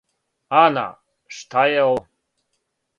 Ана, шта је ово?